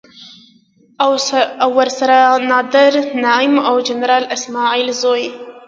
او ورسره نادر نعيم او د جنرال اسماعيل زوی.